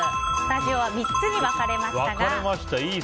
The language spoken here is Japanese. スタジオは３つに分かれました。